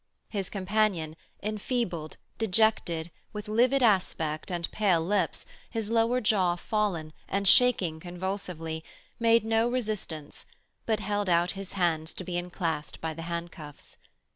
His companion, enfeebled, dejected, with livid aspect and pale lips, his lower jaw fallen, and shaking convulsively, made no resistance, but held out his hands to be enclasped by the handcuffs.